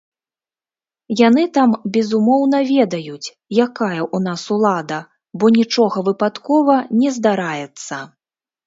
Яны там, безумоўна, ведаюць, якая ў нас улада, бо нічога выпадкова не здараецца.